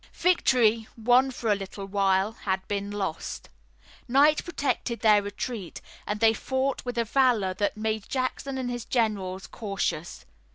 Victory, won for a little while, had been lost. Night protected their retreat, and they fought with a valor that made Jackson and all his generals cautious.